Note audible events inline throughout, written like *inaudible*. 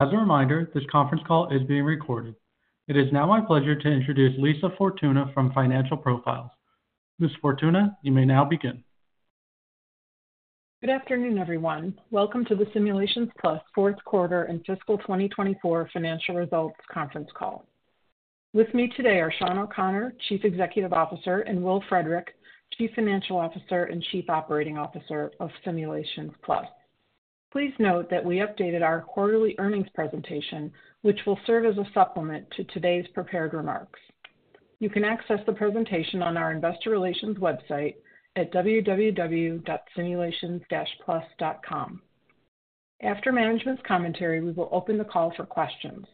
As a reminder, this conference call is being recorded. It is now my pleasure to introduce Lisa Fortuna from Financial Profiles. Ms. Fortuna, you may now begin. Good afternoon, everyone. Welcome to the Simulations Plus fourth quarter and fiscal 2024 financial results conference call. With me today are Sean O'Connor, Chief Executive Officer, and Will Frederick, Chief Financial Officer and Chief Operating Officer of Simulations Plus. Please note that we updated our quarterly earnings presentation, which will serve as a supplement to today's prepared remarks. You can access the presentation on our investor relations website at www.simulations-plus.com. After management's commentary, we will open the call for questions.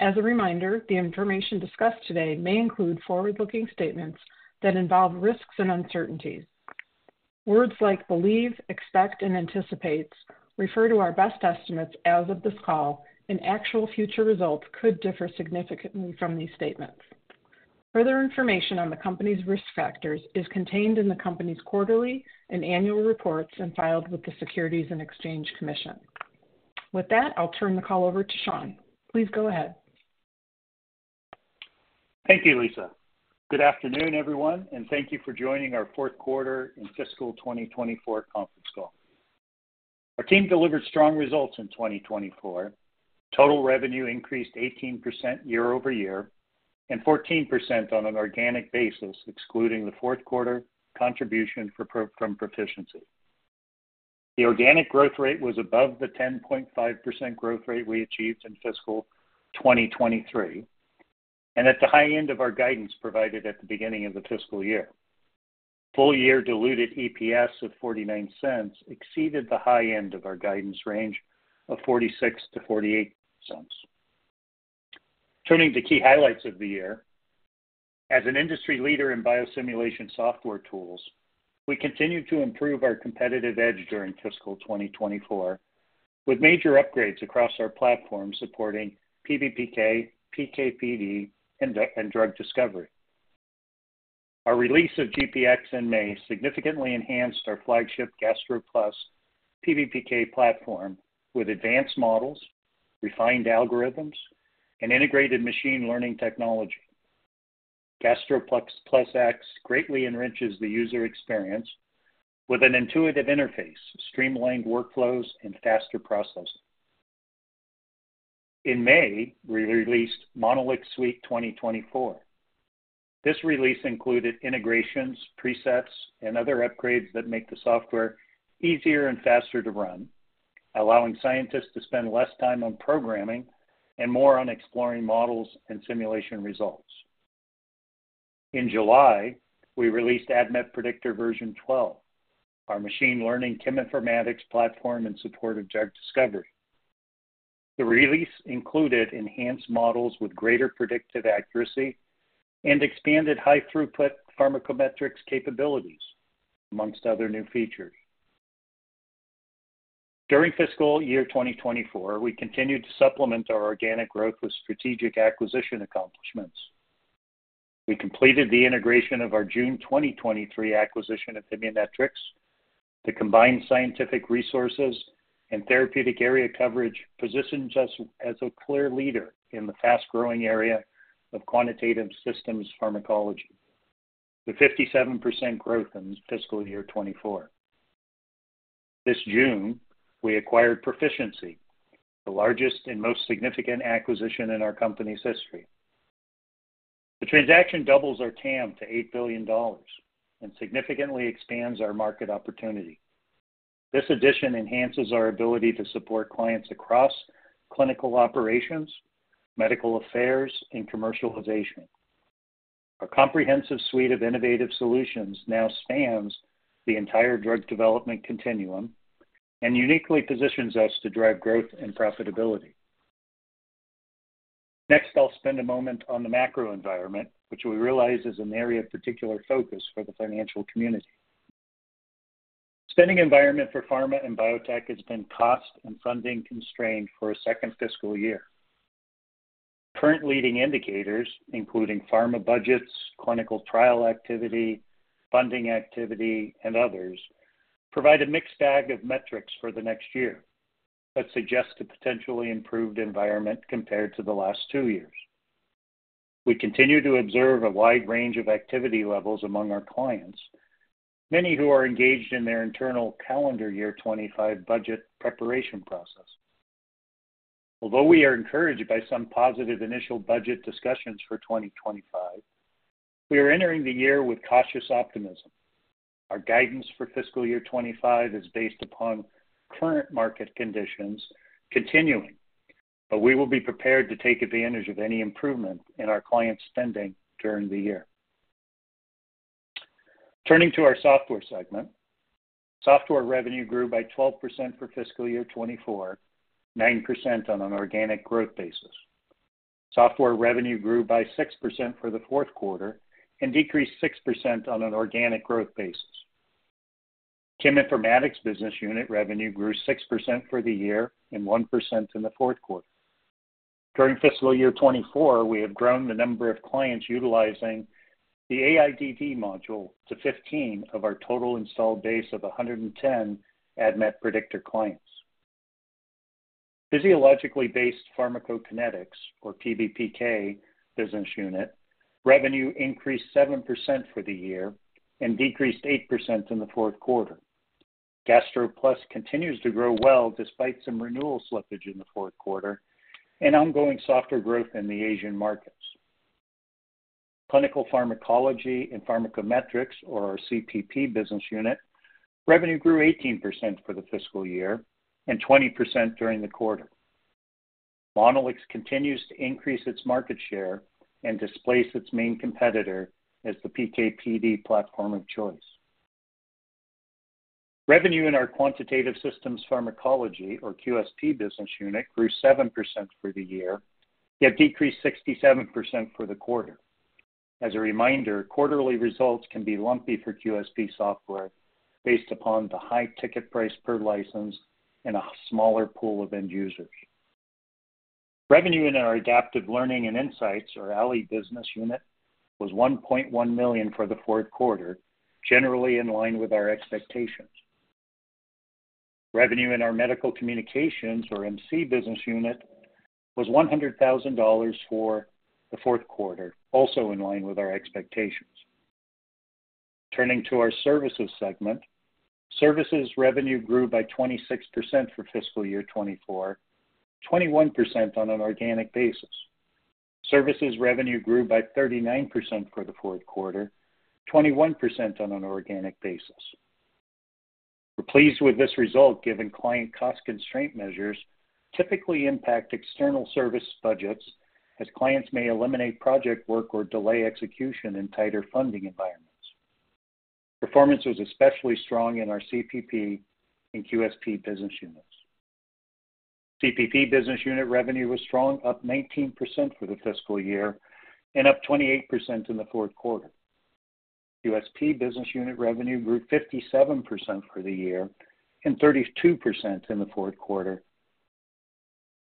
As a reminder, the information discussed today may include forward-looking statements that involve risks and uncertainties. Words like believe, expect and anticipates refer to our best estimates as of this call, and actual future results could differ significantly from these statements. Further information on the company's risk factors is contained in the company's quarterly and annual reports and filed with the Securities and Exchange Commission. With that, I'll turn the call over to Sean. Please go ahead. Thank you, Lisa. Good afternoon, everyone, and thank you for joining our fourth quarter and fiscal 2024 conference call. Our team delivered strong results in 2024. Total revenue increased 18% year over year and 14% on an organic basis, excluding the fourth quarter contribution from Pro-ficiency. The organic growth rate was above the 10.5% growth rate we achieved in fiscal 2023, and at the high end of our guidance provided at the beginning of the fiscal year. Full-year diluted EPS of $0.49 exceeded the high end of our guidance range of $0.46-$0.48. Turning to key highlights of the year. As an industry leader in biosimulation software tools, we continued to improve our competitive edge during fiscal 2024, with major upgrades across our platform supporting PBPK, PK/PD, and drug discovery. Our release of GPX in May significantly enhanced our flagship GastroPlus PBPK platform with advanced models, refined algorithms, and integrated machine learning technology. GastroPlus X greatly enriches the user experience with an intuitive interface, streamlined workflows, and faster processing. In May, we released Monolix Suite 2024. This release included integrations, presets, and other upgrades that make the software easier and faster to run, allowing scientists to spend less time on programming and more on exploring models and simulation results. In July, we released ADMET Predictor version 12, our machine learning cheminformatics platform in support of drug discovery. The release included enhanced models with greater predictive accuracy and expanded high-throughput pharmacometrics capabilities, among other new features. During fiscal year 2024, we continued to supplement our organic growth with strategic acquisition accomplishments. We completed the integration of our June 2023 acquisition of Immunetrics. The combined scientific resources and therapeutic area coverage positions us as a clear leader in the fast-growing area of quantitative systems pharmacology, with 57% growth in fiscal year 2024. This June, we acquired Pro-ficiency, the largest and most significant acquisition in our company's history. The transaction doubles our TAM to $8 billion and significantly expands our market opportunity. This addition enhances our ability to support clients across clinical operations, medical affairs, and commercialization. Our comprehensive suite of innovative solutions now spans the entire drug development continuum and uniquely positions us to drive growth and profitability. Next, I'll spend a moment on the macro environment, which we realize is an area of particular focus for the financial community. Spending environment for pharma and biotech has been cost and funding constrained for a second fiscal year. Current leading indicators, including pharma budgets, clinical trial activity, funding activity, and others, provide a mixed bag of metrics for the next year, but suggest a potentially improved environment compared to the last two years. We continue to observe a wide range of activity levels among our clients, many who are engaged in their internal calendar year 2025 budget preparation process. Although we are encouraged by some positive initial budget discussions for 2025, we are entering the year with cautious optimism. Our guidance for fiscal year 2025 is based upon current market conditions continuing, but we will be prepared to take advantage of any improvement in our clients' spending during the year. Turning to our software segment. Software revenue grew by 12% for fiscal year 2024, 9% on an organic growth basis. Software revenue grew by 6% for the fourth quarter and decreased 6% on an organic growth basis. Cheminformatics business unit revenue grew 6% for the year and 1% in the fourth quarter. During fiscal year 2024, we have grown the number of clients utilizing the AIDD module to 15 of our total installed base of 110 ADMET Predictor clients. Physiologically based pharmacokinetics, or PBPK business unit, revenue increased 7% for the year and decreased 8% in the fourth quarter. GastroPlus continues to grow well, despite some renewal slippage in the fourth quarter and ongoing softer growth in the Asia markets. Clinical pharmacology and pharmacometrics, or our CPP business unit, revenue grew 18% for the fiscal year and 20% during the quarter. Monolix continues to increase its market share and displace its main competitor as the PK/PD platform of choice. Revenue in our quantitative systems pharmacology, or QSP business unit, grew 7% for the year, yet decreased 67% for the quarter. As a reminder, quarterly results can be lumpy for QSP software based upon the high ticket price per license and a smaller pool of end users. Revenue in our adaptive learning and insights, or ALI business unit, was $1.1 million for the fourth quarter, generally in line with our expectations. Revenue in our medical communications, or MC business unit, was $100,000 for the fourth quarter, also in line with our expectations. Turning to our services segment. Services revenue grew by 26% for fiscal year 2024, 21% on an organic basis. Services revenue grew by 39% for the fourth quarter, 21% on an organic basis. We're pleased with this result, given client cost constraint measures typically impact external service budgets, as clients may eliminate project work or delay execution in tighter funding environments. Performance was especially strong in our CPP and QSP business units. CPP business unit revenue was strong, up 19% for the fiscal year and up 28% in the fourth quarter. QSP business unit revenue grew 57% for the year and 32% in the fourth quarter.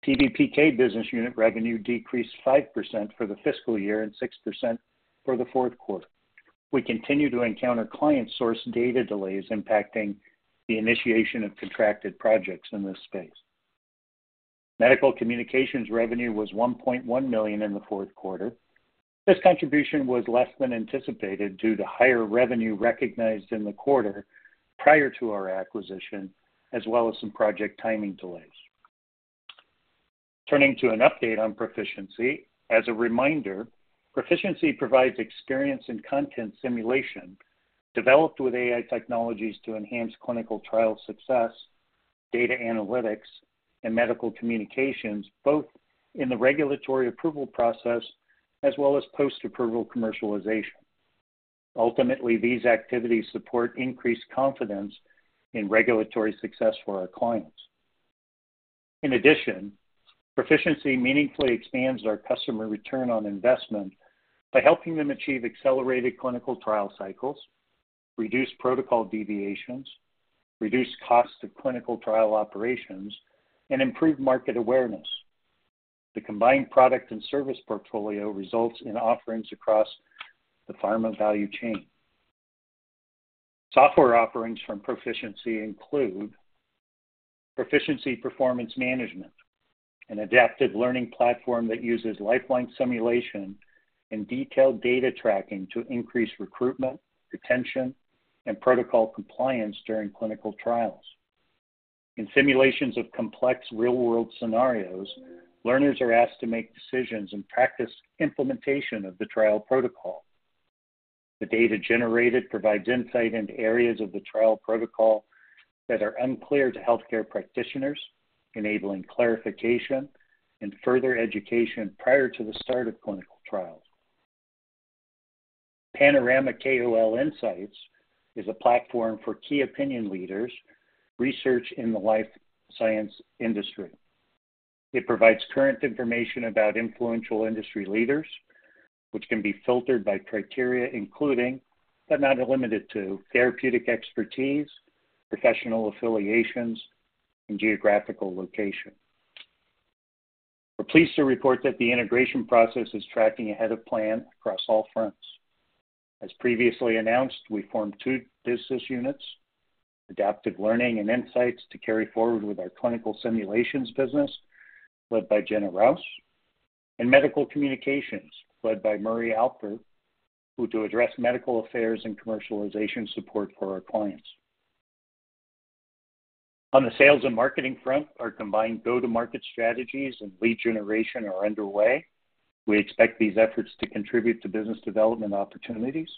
PBPK business unit revenue decreased 5% for the fiscal year and 6% for the fourth quarter. We continue to encounter client-sourced data delays impacting the initiation of contracted projects in this space. Medical Communications revenue was $1.1 million in the fourth quarter. This contribution was less than anticipated due to higher revenue recognized in the quarter prior to our acquisition, as well as some project timing delays. Turning to an update on Pro-ficiency. As a reminder, Pro-ficiency provides experience and content simulation developed with AI technologies to enhance clinical trial success, data analytics, and medical communications, both in the regulatory approval process as well as post-approval commercialization. Ultimately, these activities support increased confidence in regulatory success for our clients. In addition, Pro-ficiency meaningfully expands our customer return on investment by helping them achieve accelerated clinical trial cycles, reduce protocol deviations, reduce costs of clinical trial operations, and improve market awareness. The combined product and service portfolio results in offerings across the pharma value chain. Software offerings from Pro-ficiency include Pro-ficiency Performance Management, an adaptive learning platform that uses lifelike simulation and detailed data tracking to increase recruitment, retention, and protocol compliance during clinical trials. In simulations of complex, real-world scenarios, learners are asked to make decisions and practice implementation of the trial protocol. The data generated provides insight into areas of the trial protocol that are unclear to healthcare practitioners, enabling clarification and further education prior to the start of clinical trials. Panoramic KOL Insights is a platform for researching key opinion leaders in the life sciences industry. It provides current information about influential industry leaders, which can be filtered by criteria including, but not limited to, therapeutic expertise, professional affiliations, and geographical location. We're pleased to report that the integration process is tracking ahead of plan across all fronts. As previously announced, we formed two business units, Adaptive Learning and Insights, to carry forward with our clinical simulations business, led by Jenna Rouse, and Medical Communications, led by Murray Alpert to address medical affairs and commercialization support for our clients. On the sales and marketing front, our combined go-to-market strategies and lead generation are underway. We expect these efforts to contribute to business development opportunities.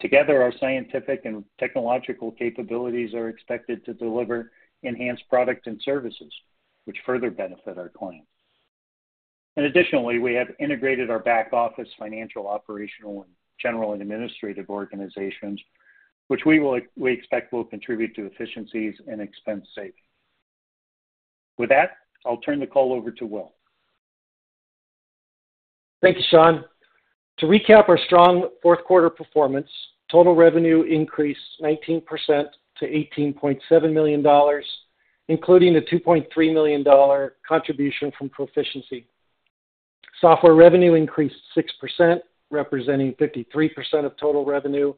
Together, our scientific and technological capabilities are expected to deliver enhanced products and services, which further benefit our clients. And additionally, we have integrated our back-office financial, operational, and general, and administrative organizations, which we expect will contribute to efficiencies and expense saving. With that, I'll turn the call over to Will. Thank you, Sean. To recap our strong fourth quarter performance, total revenue increased 19% to $18.7 million, including a $2.3 million contribution from Pro-ficiency. Software revenue increased 6%, representing 53% of total revenue,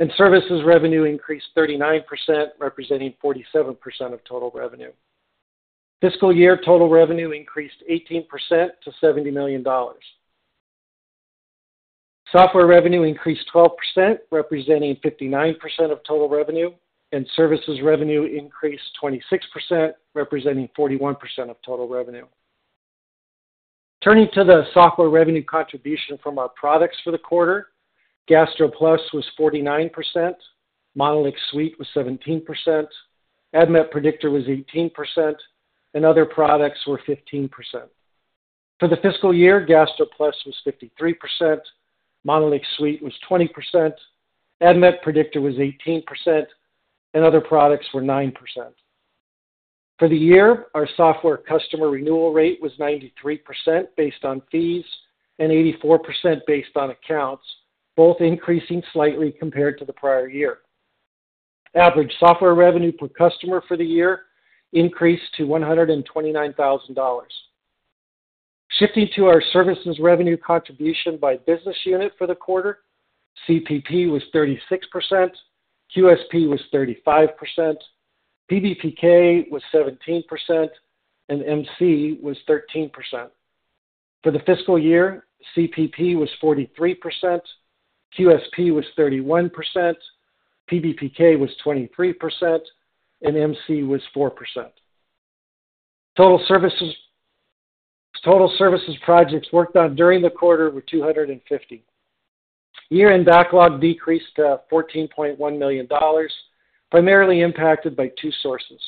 and services revenue increased 39%, representing 47% of total revenue. Fiscal year total revenue increased 18% to $70 million. Software revenue increased 12%, representing 59% of total revenue, and services revenue increased 26%, representing 41% of total revenue. Turning to the software revenue contribution from our products for the quarter, GastroPlus was 49%, MonolixSuite was 17%, ADMET Predictor was 18%, and other products were 15%. For the fiscal year, GastroPlus was 53%, MonolixSuite was 20%, ADMET Predictor was 18%, and other products were 9%. For the year, our software customer renewal rate was 93% based on fees and 84% based on accounts, both increasing slightly compared to the prior year. Average software revenue per customer for the year increased to $129,000. Shifting to our services revenue contribution by business unit for the quarter, CPP was 36%, QSP was 35%, PBPK was 17%, and MC was 13%. For the fiscal year, CPP was 43%, QSP was 31%, PBPK was 23%, and MC was 4%. Total services projects worked on during the quarter were 250. Year-end backlog decreased to $14.1 million, primarily impacted by two sources.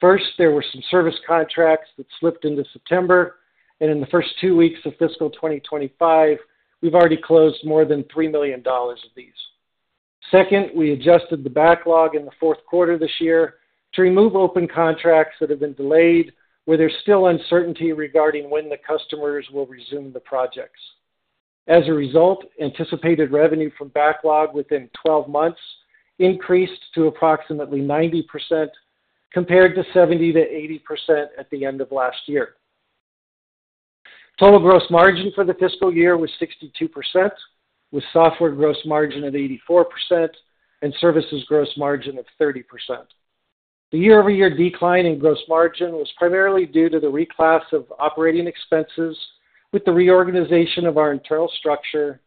First, there were some service contracts that slipped into September, and in the first two weeks of fiscal 2025, we've already closed more than $3 million of these. Second, we adjusted the backlog in the fourth quarter this year to remove open contracts that have been delayed, where there's still uncertainty regarding when the customers will resume the projects. As a result, anticipated revenue from backlog within 12 months increased to approximately 90%, compared to 70%-80% at the end of last year. Total gross margin for the fiscal year was 62%, with software gross margin at 84% and services gross margin of 30%. The year-over-year decline in gross margin was primarily due to the reclass of operating expenses with the reorganization of our internal structure,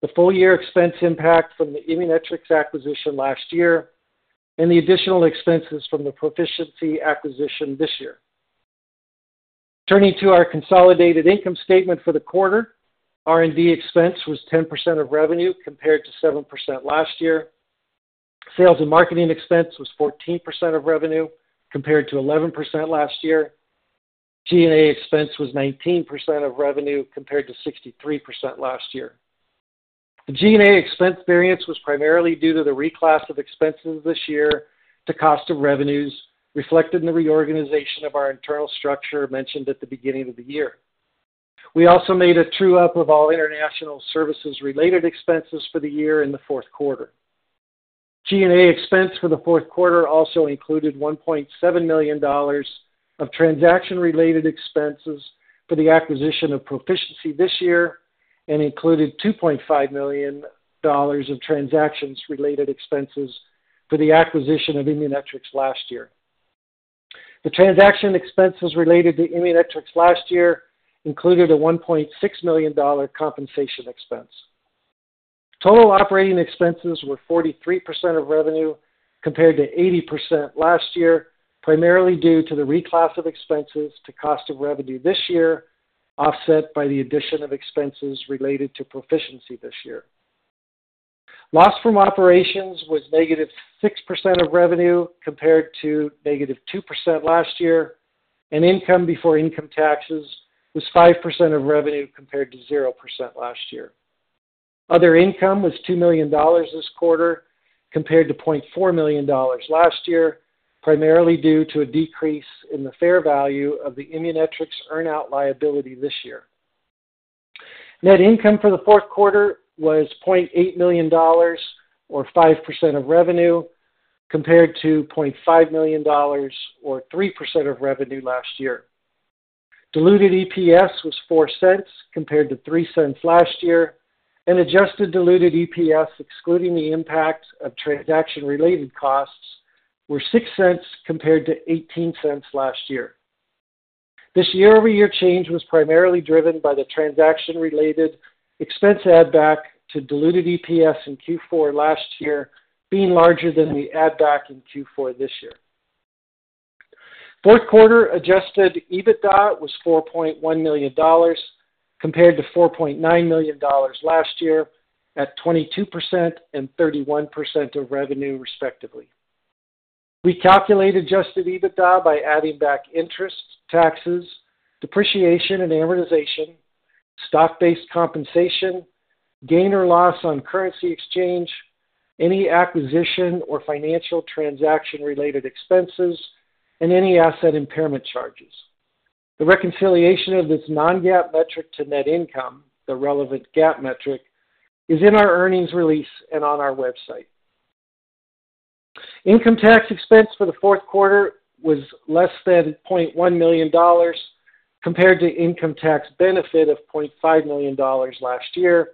the full-year expense impact from the Immunetrics acquisition last year, and the additional expenses from the Pro-ficiency acquisition this year. Turning to our consolidated income statement for the quarter, R&D expense was 10% of revenue, compared to 7% last year. Sales and marketing expense was 14% of revenue, compared to 11% last year. G&A expense was 19% of revenue, compared to 63% last year. The G&A expense variance was primarily due to the reclass of expenses this year to cost of revenues, reflected in the reorganization of our internal structure mentioned at the beginning of the year. We also made a true-up of all international services related expenses for the year in the fourth quarter. G&A expense for the fourth quarter also included $1.7 million of transaction-related expenses for the acquisition of Pro-ficiency this year and included $2.5 million of transactions related expenses for the acquisition of Immunetrics last year. The transaction expenses related to Immunetrics last year included a $1.6 million compensation expense. Total operating expenses were 43% of revenue, compared to 80% last year, primarily due to the reclass of expenses to cost of revenue this year, offset by the addition of expenses related to Pro-ficiency this year. Loss from operations was -6% of revenue, compared to -2% last year, and income before income taxes was 5% of revenue, compared to 0% last year. Other income was $2 million this quarter, compared to $0.4 million last year, primarily due to a decrease in the fair value of the Immunetrics earn-out liability this year. Net income for the fourth quarter was $0.8 million, or 5% of revenue, compared to $0.5 million, or 3% of revenue last year. Diluted EPS was $0.04, compared to $0.03 last year, and adjusted diluted EPS, excluding the impact of transaction-related costs, were $0.06, compared to $0.18 last year. This year-over-year change was primarily driven by the transaction-related expense add back to diluted EPS in Q4 last year being larger than the add back in Q4 this year. Fourth quarter adjusted EBITDA was $4.1 million, compared to $4.9 million last year, at 22% and 31% of revenue, respectively. We calculate adjusted EBITDA by adding back interest, taxes, depreciation and amortization, stock-based compensation, gain or loss on currency exchange, any acquisition or financial transaction-related expenses and any asset impairment charges. The reconciliation of this non-GAAP metric to net income, the relevant GAAP metric, is in our earnings release and on our website. Income tax expense for the fourth quarter was less than $0.1 million, compared to income tax benefit of $0.5 million last year,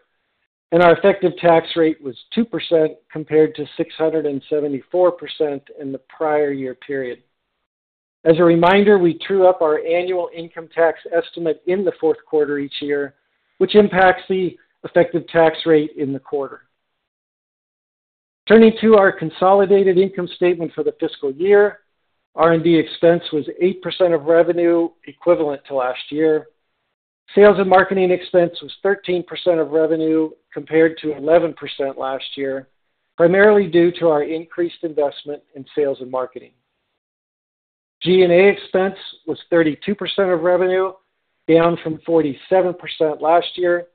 and our effective tax rate was 2%, compared to 674% in the prior year period. As a reminder, we true up our annual income tax estimate in the fourth quarter each year, which impacts the effective tax rate in the quarter. Turning to our consolidated income statement for the fiscal year, R&D expense was 8% of revenue, equivalent to last year. Sales and marketing expense was 13% of revenue, compared to 11% last year, primarily due to our increased investment in sales and marketing. G&A expense was 32% of revenue, down from 47% last year.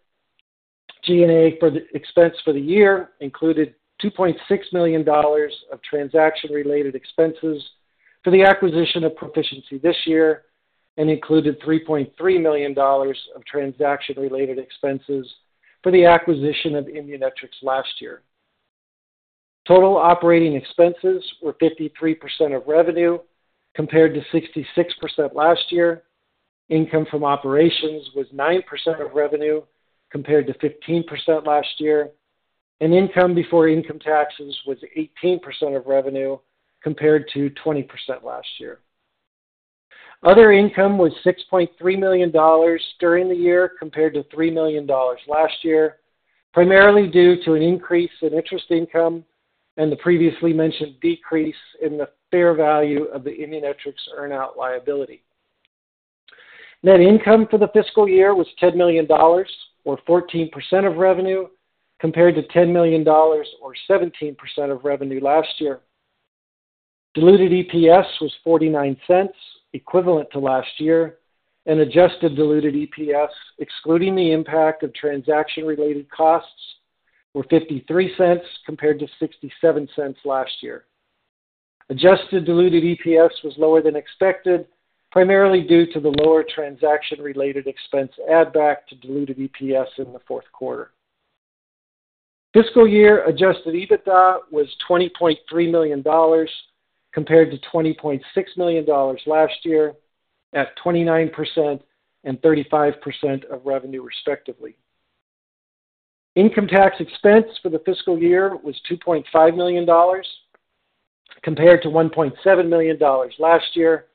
G&A expense for the year included $2.6 million of transaction-related expenses for the acquisition of Pro-ficiency this year and included $3.3 million of transaction-related expenses for the acquisition of Immunetrics last year. Total operating expenses were 53% of revenue, compared to 66% last year. Income from operations was 9% of revenue, compared to 15% last year, and income before income taxes was 18% of revenue, compared to 20% last year. Other income was $6.3 million during the year, compared to $3 million last year, primarily due to an increase in interest income and the previously mentioned decrease in the fair value of the Immunetrics earn-out liability. Net income for the fiscal year was $10 million, or 14% of revenue, compared to $10 million, or 17% of revenue last year. Diluted EPS was $0.49, equivalent to last year, and adjusted diluted EPS, excluding the impact of transaction-related costs, were $0.53, compared to $0.67 last year. Adjusted diluted EPS was lower than expected, primarily due to the lower transaction-related expense add-back to diluted EPS in the fourth quarter. Fiscal year adjusted EBITDA was $20.3 million, compared to $20.6 million last year, at 29% and 35% of revenue, respectively. Income tax expense for the fiscal year was $2.5 million, compared to $1.7 million last year,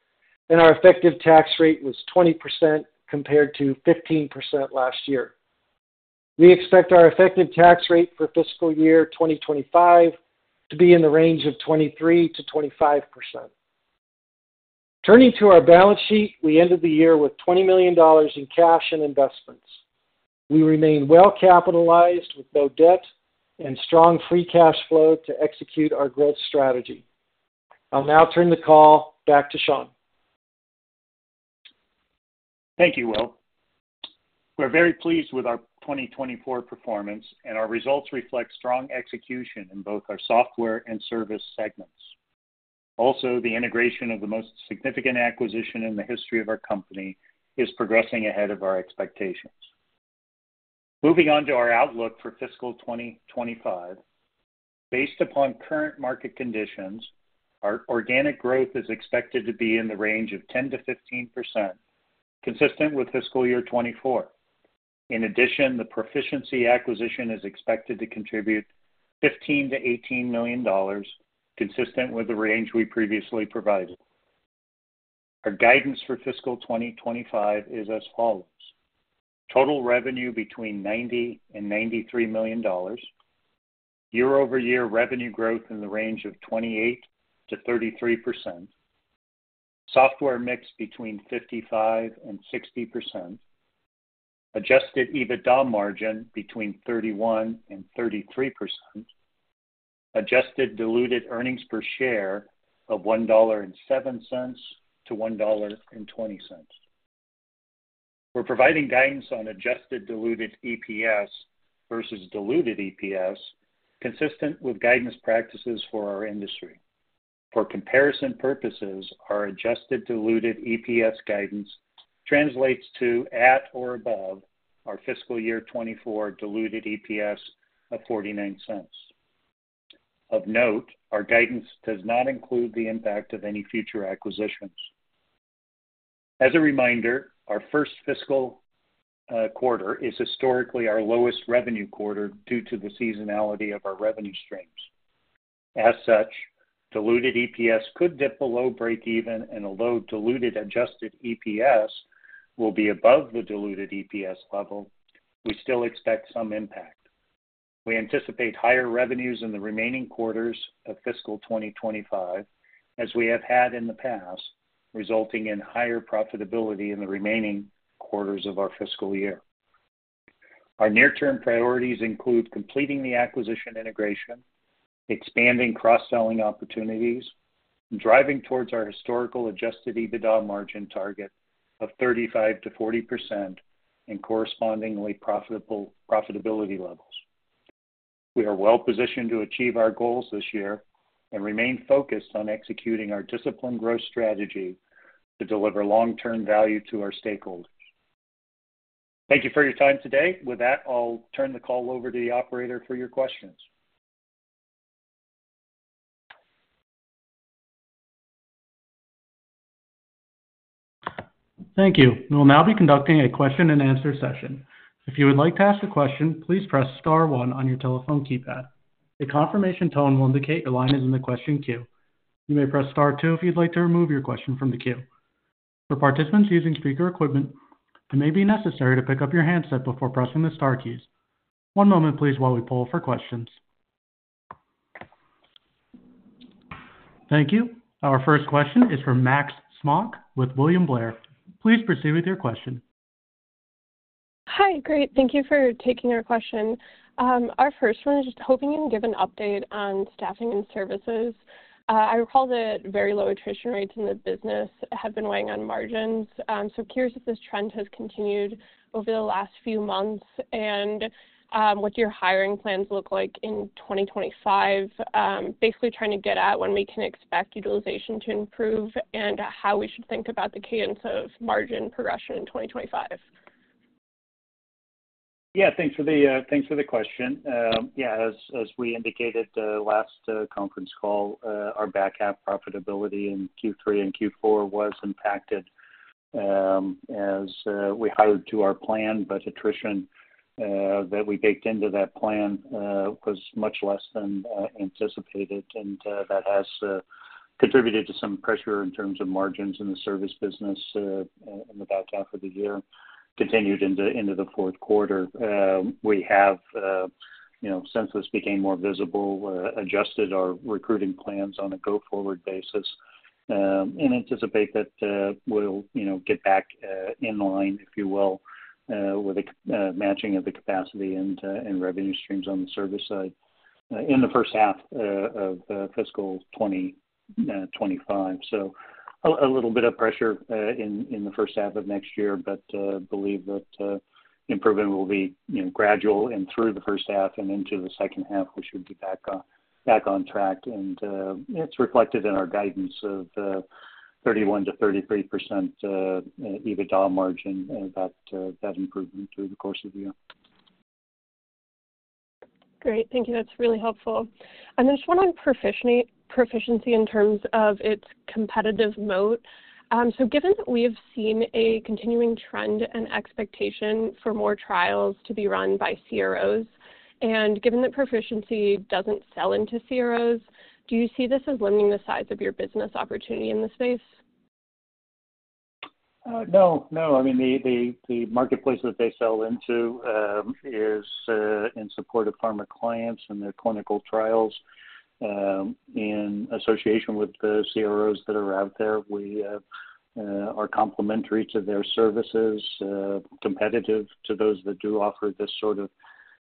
and our effective tax rate was 20%, compared to 15% last year. We expect our effective tax rate for fiscal year 2025 to be in the range of 23%-25%. Turning to our balance sheet, we ended the year with $20 million in cash and investments. We remain well capitalized, with no debt and strong free cash flow to execute our growth strategy. I'll now turn the call back to Sean. Thank you, Will. We're very pleased with our 2024 performance, and our results reflect strong execution in both our software and service segments. Also, the integration of the most significant acquisition in the history of our company is progressing ahead of our expectations. Moving on to our outlook for fiscal 2025. Based upon current market conditions, our organic growth is expected to be in the range of 10%-15%, consistent with fiscal year 2024. In addition, the Pro-ficiency acquisition is expected to contribute $15-$18 million, consistent with the range we previously provided. Our guidance for fiscal 2025 is as follows: Total revenue between $90 million and $93 million, year-over-year revenue growth in the range of 28%-33%, software mix between 55% and 60%, Adjusted EBITDA margin between 31% and 33%, adjusted diluted earnings per share of $1.07-$1.20. We're providing guidance on adjusted diluted EPS versus diluted EPS, consistent with guidance practices for our industry. For comparison purposes, our adjusted diluted EPS guidance translates to at or above our fiscal year 2024 diluted EPS of $0.49. Of note, our guidance does not include the impact of any future acquisitions. As a reminder, our first fiscal quarter is historically our lowest revenue quarter due to the seasonality of our revenue streams. As such, diluted EPS could dip below breakeven, and although diluted adjusted EPS will be above the diluted EPS level, we still expect some impact. We anticipate higher revenues in the remaining quarters of fiscal 2025, as we have had in the past, resulting in higher profitability in the remaining quarters of our fiscal year. Our near-term priorities include completing the acquisition integration, expanding cross-selling opportunities, driving towards our historical adjusted EBITDA margin target of 35%-40% and correspondingly profitable profitability levels. We are well positioned to achieve our goals this year and remain focused on executing our disciplined growth strategy to deliver long-term value to our stakeholders. Thank you for your time today. With that, I'll turn the call over to the operator for your questions. Thank you. We'll now be conducting a question-and-answer session. If you would like to ask a question, please press star one on your telephone keypad. A confirmation tone will indicate your line is in the question queue. You may press star two if you'd like to remove your question from the queue. For participants using speaker equipment, it may be necessary to pick up your handset before pressing the star keys. One moment please, while we poll for questions. Thank you. Our first question is from Max Smock with William Blair. Please proceed with your question. Hi. Great, thank you for taking our question. Our first one is just hoping you can give an update on staffing and services. I recall that very low attrition rates in the business have been weighing on margins, so curious if this trend has continued over the last few months, and what your hiring plans look like in 2025. Basically trying to get at when we can expect utilization to improve and how we should think about the cadence of margin progression in 2025. Yeah, thanks for the question. Yeah, as we indicated last conference call, our back half profitability in Q3 and Q4 was impacted, as we hired to our plan, but attrition that we baked into that plan was much less than anticipated, and that has contributed to some pressure in terms of margins in the service business in the back half of the year, continued into the fourth quarter. We have, you know, since this became more visible, adjusted our recruiting plans on a go-forward basis, and anticipate that we'll, you know, get back in line, if you will, with the matching of the capacity and revenue streams on the service side, in the first half of fiscal 2025, so a little bit of pressure in the first half of next year, but believe that improvement will be, you know, gradual and through the first half and into the second half, we should be back on track, and it's reflected in our guidance of 31%-33% EBITDA margin, that improvement through the course of the year. Great. Thank you. That's really helpful. And then just one on Pro-ficiency in terms of its competitive moat. So given that we have seen a continuing trend and expectation for more trials to be run by CROs, and given that Pro-ficiency doesn't sell into CROs, do you see this as limiting the size of your business opportunity in the space? No, no. I mean, the marketplace that they sell into is in support of pharma clients and their clinical trials in association with the CROs that are out there. We are complementary to their services, competitive to those that do offer this sort of,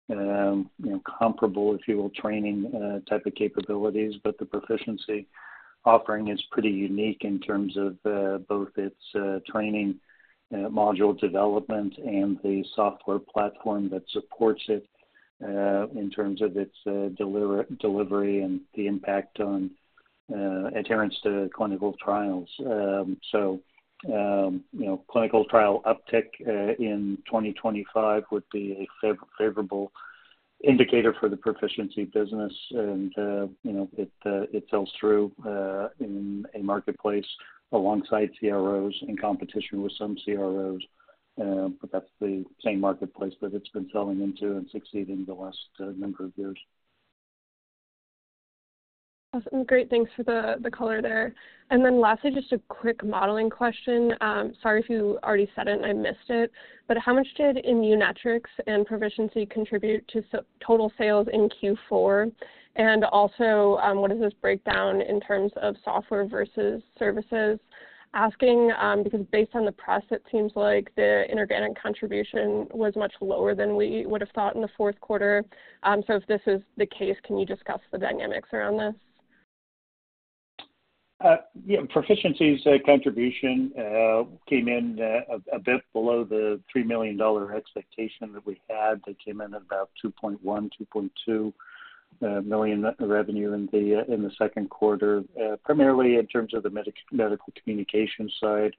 you know, comparable, if you will, training type of capabilities, but the Pro-ficiency offering is pretty unique in terms of both its training module development and the software platform that supports it in terms of its delivery and the impact on adherence to clinical trials, so you know, clinical trial uptick in 2025 would be a favorable indicator for the Pro-ficiency business. You know, it sells through in a marketplace alongside CROs, in competition with some CROs, but that's the same marketplace that it's been selling into and succeeding the last number of years. Awesome. Great, thanks for the color there. And then lastly, just a quick modeling question. Sorry if you already said it and I missed it, but how much did Immunetrics and Pro-ficiency contribute to SLP total sales in Q4? And also, what does this break down in terms of software versus services? Asking because based on the press, it seems like the inorganic contribution was much lower than we would've thought in the fourth quarter. So if this is the case, can you discuss the dynamics around this? Yeah, Pro-ficiency's contribution came in a bit below the $3 million expectation that we had. That came in at about $2.1 million-$2.2 million revenue in the second quarter. Primarily in terms of the medical communication side,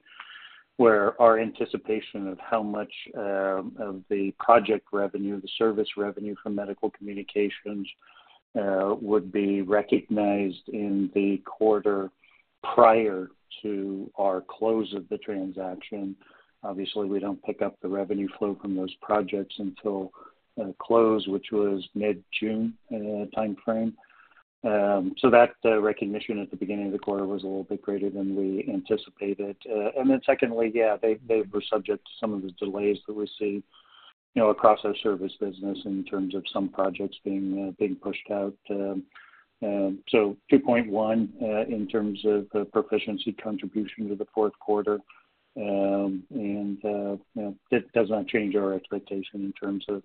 where our anticipation of how much of the project revenue, the service revenue from Medical Communications, would be recognized in the quarter prior to our close of the transaction. Obviously, we don't pick up the revenue flow from those projects until close, which was mid-June timeframe. So that recognition at the beginning of the quarter was a little bit greater than we anticipated. And then secondly, yeah, they, they were subject to some of the delays that we see, you know, across our service business in terms of some projects being, being pushed out. So $2.1 million in terms of the Pro-ficiency contribution to the fourth quarter. And, you know, that does not change our expectation in terms of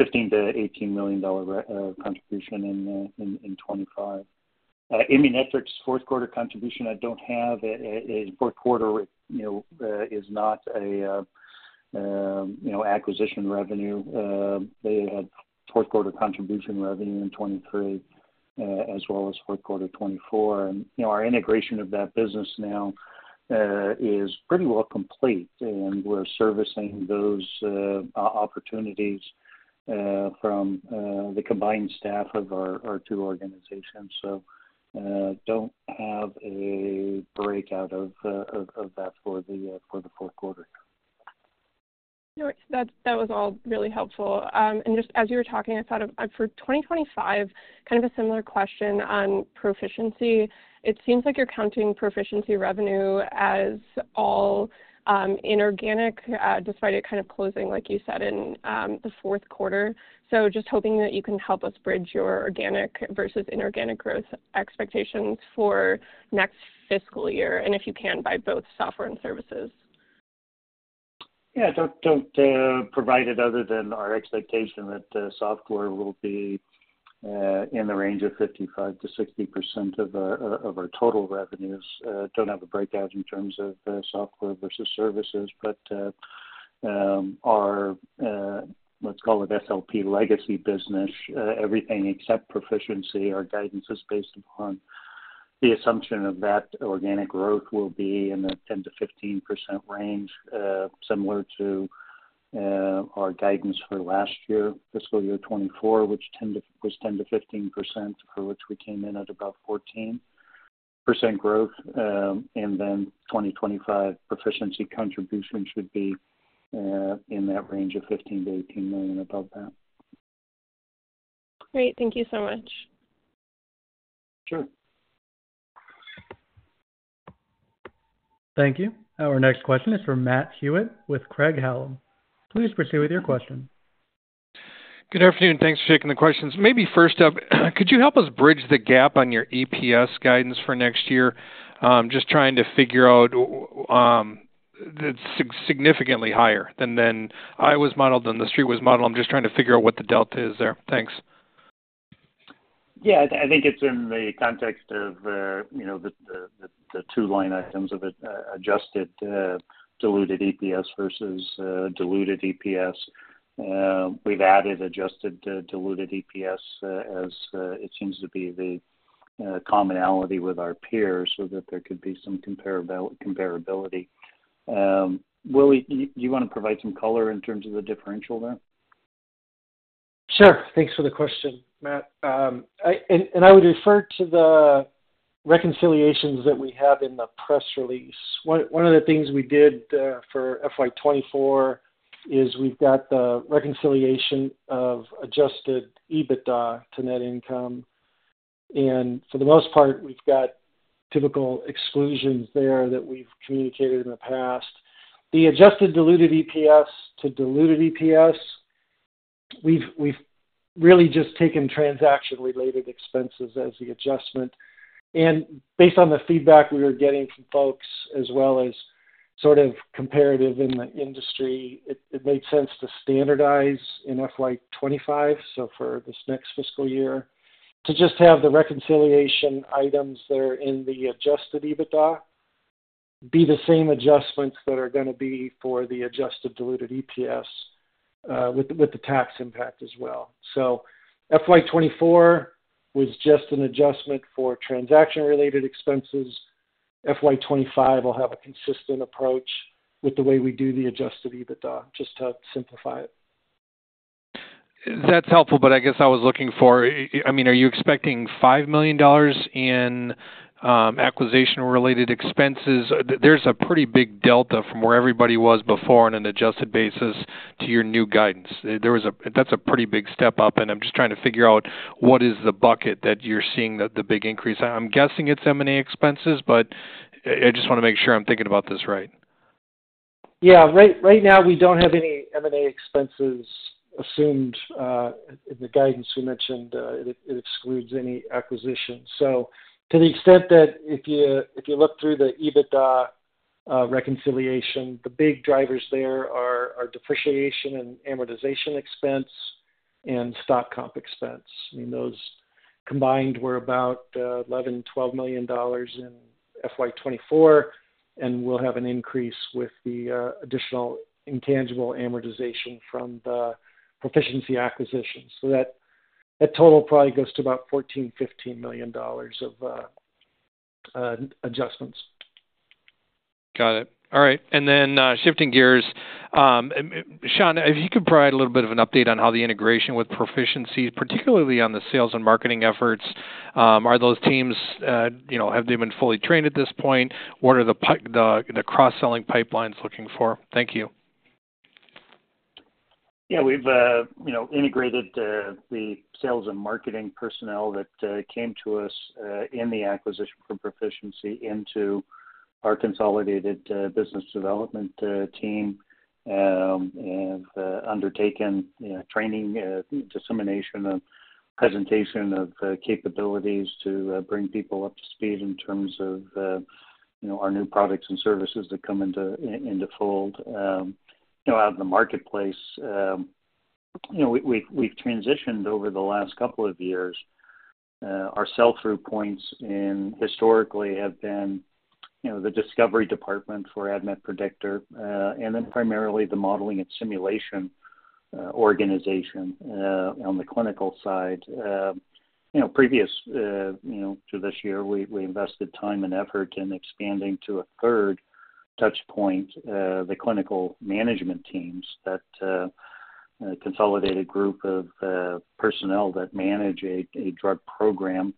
$15 million-$18 million contribution in, in, in 2025. Immunetrics' fourth quarter contribution, I don't have a, a, a fourth quarter, you know, is not a, acquisition revenue. They had fourth quarter contribution revenue in 2023, as well as fourth quarter 2024. And, you know, our integration of that business now, is pretty well complete, and we're servicing those, opportunities, from, the combined staff of our, our two organizations. So, don't have a breakout of that for the fourth quarter. No, that, that was all really helpful. And just as you were talking, I thought of, for 2025, kind of a similar question on Pro-ficiency. It seems like you're counting Pro-ficiency revenue as all, inorganic, despite it kind of closing, like you said, in, the fourth quarter. So just hoping that you can help us bridge your organic versus inorganic growth expectations for next fiscal year, and if you can, by both software and services. Yeah, don't provide it other than our expectation that software will be in the range of 55%-60% of our total revenues. Don't have a breakout in terms of software versus services, but our, let's call it SLP legacy business, everything except Pro-ficiency, our guidance is based upon the assumption that organic growth will be in the 10%-15% range, similar to our guidance for last year, fiscal year 2024, which was 10%-15%, for which we came in at about 14% growth. And then 2025, Pro-ficiency contribution should be in that range of $15 million-$18 million above that. Great. Thank you so much. Sure. Thank you. Our next question is from Matt Hewitt with Craig-Hallum. Please proceed with your question. Good afternoon, thanks for taking the questions. Maybe first up, could you help us bridge the gap on your EPS guidance for next year? Just trying to figure out it's significantly higher than I was modeled, than the Street was modeled. I'm just trying to figure out what the delta is there. Thanks. Yeah, I think it's in the context of, you know, the two line items of it, adjusted diluted EPS versus diluted EPS. We've added adjusted diluted EPS as it seems to be the commonality with our peers, so that there could be some comparability. Willie, do you wanna provide some color in terms of the differential there? Sure. Thanks for the question, Matt. And I would refer to the reconciliations that we have in the press release. One of the things we did for FY 2024 is we've got the reconciliation of adjusted EBITDA to net income, and for the most part, we've got typical exclusions there that we've communicated in the past. The adjusted diluted EPS to diluted EPS, we've really just taken transaction-related expenses as the adjustment. And based on the feedback we were getting from folks as well as sort of comparables in the industry, it made sense to standardize in FY 2025, so for this next fiscal year. To just have the reconciliation items that are in the adjusted EBITDA, be the same adjustments that are gonna be for the adjusted diluted EPS, with the tax impact as well. So FY 2024 was just an adjustment for transaction-related expenses. FY 2025 will have a consistent approach with the way we do the adjusted EBITDA, just to simplify it. That's helpful, but I guess I was looking for, I mean, are you expecting $5 million in acquisition-related expenses? There's a pretty big delta from where everybody was before on an adjusted basis to your new guidance. That's a pretty big step up, and I'm just trying to figure out what is the bucket that you're seeing the big increase. I'm guessing it's M&A expenses, but I just wanna make sure I'm thinking about this right. Yeah, right, right now, we don't have any M&A expenses assumed. In the guidance we mentioned, it excludes any acquisition. So to the extent that if you look through the EBITDA reconciliation, the big drivers there are depreciation and amortization expense and stock comp expense. I mean, those combined were about $11 million-12 million in FY 2024, and we'll have an increase with the additional intangible amortization from the Pro-ficiency acquisition. So that total probably goes to about $14 million-15 million of adjustments. Got it. All right. And then, shifting gears, and, Shawn, if you could provide a little bit of an update on how the integration with Pro-ficiency, particularly on the sales and marketing efforts, are those teams, you know, have they been fully trained at this point? What are the cross-selling pipelines looking for? Thank you. Yeah, we've, you know, integrated the sales and marketing personnel that came to us in the acquisition for Pro-ficiency into our consolidated business development team. And undertaken training, presentation of capabilities to bring people up to speed in terms of, you know, our new products and services that come into fold. You know, out in the marketplace, you know, we've transitioned over the last couple of years our sell-through points, and historically have been, you know, the discovery department for ADMET Predictor, and then primarily the modeling and simulation organization on the clinical side. You know, previous, you know, to this year, we invested time and effort in expanding to a third touchpoint, the clinical management teams that consolidate a group of personnel that manage a drug program,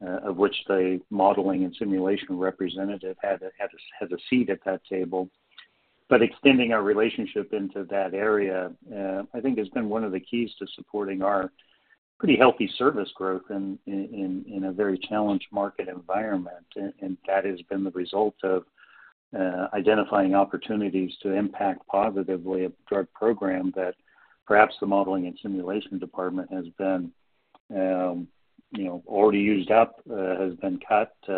of which the modeling and simulation representative has a seat at that table. But extending our relationship into that area, I think has been one of the keys to supporting our pretty healthy service growth in a very challenged market environment. And that has been the result of identifying opportunities to impact positively a drug program that perhaps the modeling and simulation department has been, you know, already used up, has been cut, you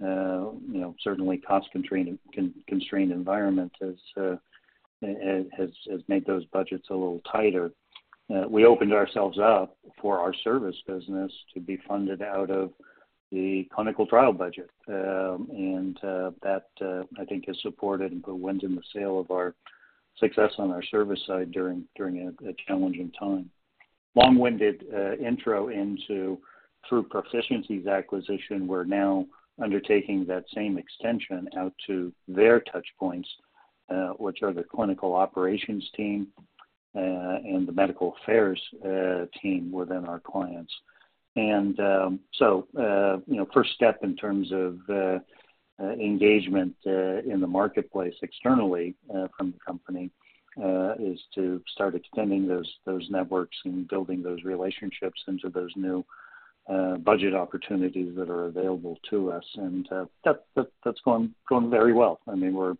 know, certainly cost-constrained environment has made those budgets a little tighter. We opened ourselves up for our service business to be funded out of the clinical trial budget. And that I think has supported and the wind in the sail of our success on our service side during a challenging time. Long-winded intro into, through Pro-ficiency's acquisition, we're now undertaking that same extension out to their touchpoints, which are the clinical operations team and the medical affairs team within our clients. And so you know, first step in terms of engagement in the marketplace externally from the company is to start extending those networks and building those relationships into those new budget opportunities that are available to us. And that that's going very well. I mean, we're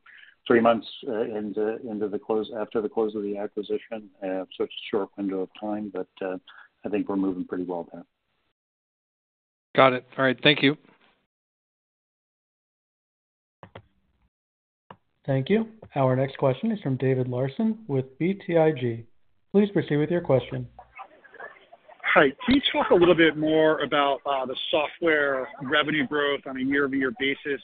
three months into the close after the close of the acquisition, so it's a short window of time, but I think we're moving pretty well, Matt. Got it. All right, thank you. Thank you. Our next question is from David Larsen with BTIG. Please proceed with your question. Hi. Can you talk a little bit more about the software revenue growth on a year-over-year basis?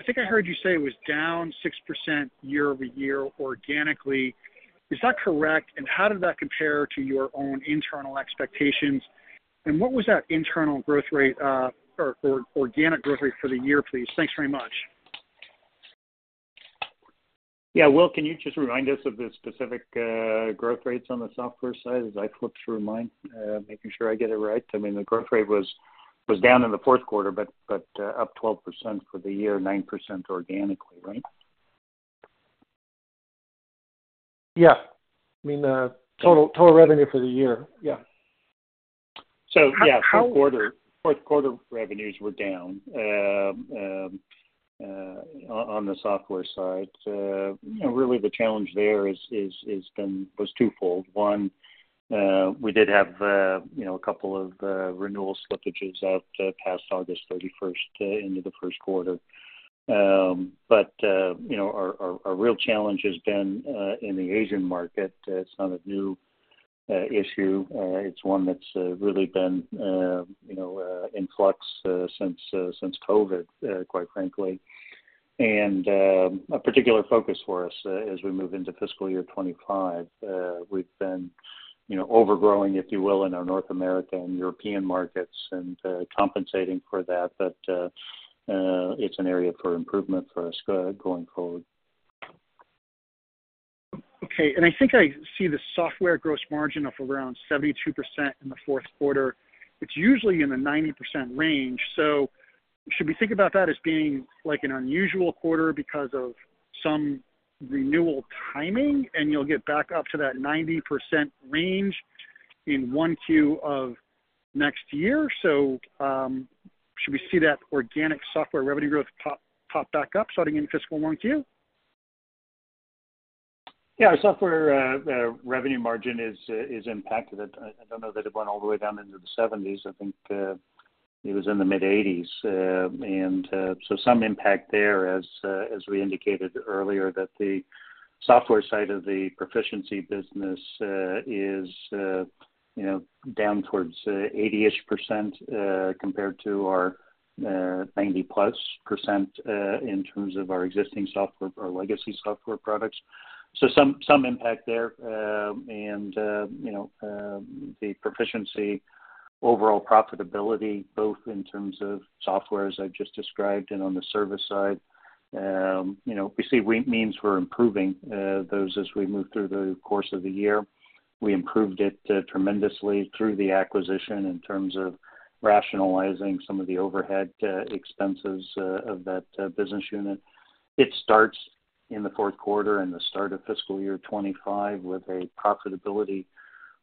I think I heard you say it was down 6% year-over-year, organically. Is that correct? And how did that compare to your own internal expectations, and what was that internal growth rate, or organic growth rate for the year, please? Thanks very much. Yeah. Will, can you just remind us of the specific growth rates on the software side as I flip through mine, making sure I get it right? I mean, the growth rate was down in the fourth quarter, but up 12% for the year, 9% organically, right? Yeah. I mean, total revenue for the year. Yeah. So yeah, fourth quarter- How- Fourth quarter revenues were down on the software side. You know, really the challenge there was twofold. One, we did have, you know, a couple of renewal slippages out past August 31st into the first quarter. But, you know, our real challenge has been in the Asian market. It's not a new issue, it's one that's really been, you know, in flux since COVID, quite frankly. And, a particular focus for us as we move into fiscal year 2025, we've been, you know, overgrowing, if you will, in our North America and European markets and compensating for that. But, it's an area for improvement for us going forward. Okay. I think I see the software gross margin of around 72% in the fourth quarter. It's usually in the 90% range. Should we think about that as being like an unusual quarter because of some renewal timing, and you'll get back up to that 90% range in 1Q of next year? Should we see that organic software revenue growth pop, pop back up starting in fiscal 1Q? Yeah. Our software revenue margin is impacted. I don't know that it went all the way down into the seventies. I think it was in the mid-eighties. And so some impact there as we indicated earlier, that the software side of the Pro-ficiency business is, you know, down towards 80%-ish, compared to our 90%+ in terms of our existing software or legacy software products. So some impact there. And you know, the Pro-ficiency overall profitability, both in terms of software, as I've just described, and on the service side, you know, we see—means we're improving those as we move through the course of the year. We improved it tremendously through the acquisition in terms of rationalizing some of the overhead expenses of that business unit. It starts in the fourth quarter and the start of fiscal year 2025 with a profitability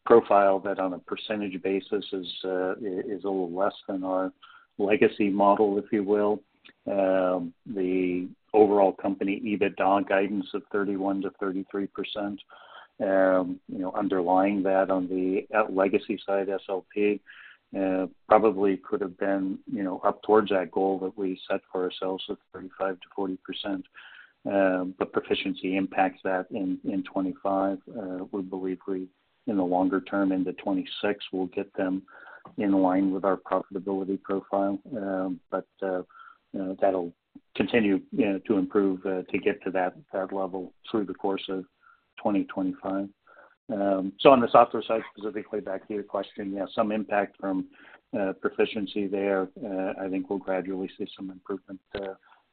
profile that, on a percentage basis, is a little less than our legacy model, if you will, the overall company EBITDA guidance of 31%-33%. You know, underlying that on the legacy side, SLP probably could have been, you know, up towards that goal that we set for ourselves of 35%-40%. But Pro-ficiency impacts that in 2025. We believe we, in the longer term, into 2026, we'll get them in line with our profitability profile. But you know, that'll continue, you know, to improve to get to that level through the course of 2025, so on the software side, specifically, back to your question, yeah, some impact from Pro-ficiency there. I think we'll gradually see some improvement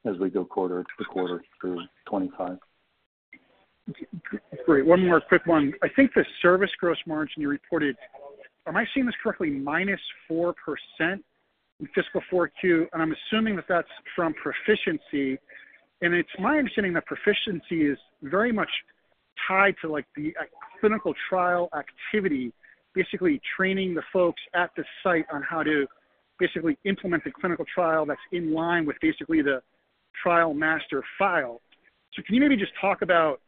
as we go quarter-to-quarter through 2025. Great. One more quick one. I think the service gross margin you reported, am I seeing this correctly, -4% in fiscal 4Q? And I'm assuming that that's from Pro-ficiency. And it's my understanding that Pro-ficiency is very much tied to, like, the clinical trial activity, basically training the folks at the site on how to basically implement the clinical trial that's in line with basically the trial master file. So can you maybe just talk about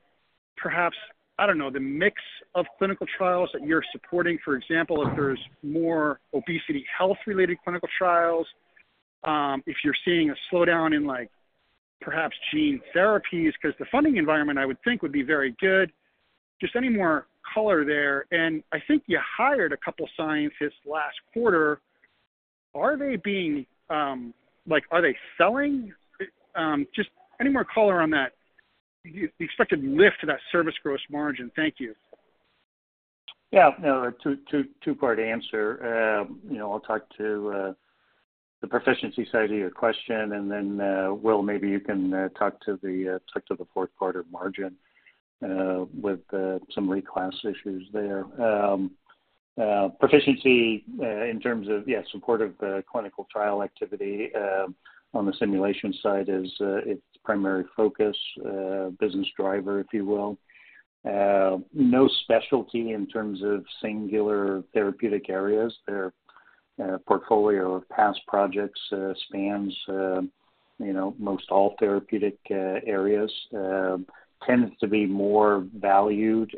perhaps, I don't know, the mix of clinical trials that you're supporting, for example, if there's more obesity, health-related clinical trials, if you're seeing a slowdown in like perhaps gene therapies, because the funding environment, I would think, would be very good. Just any more color there. And I think you hired a couple scientists last quarter. Are they being, like, are they selling? Just any more color on that, the expected lift to that service gross margin? Thank you. Yeah, no, two-part answer. You know, I'll talk to the Pro-ficiency side of your question, and then, Will, maybe you can talk to the fourth quarter margin with some reclass issues there. Pro-ficiency, in terms of support of the clinical trial activity on the simulation side, is its primary focus, business driver, if you will. No specialty in terms of singular therapeutic areas. Their portfolio of past projects spans, you know, most all therapeutic areas, tends to be more valued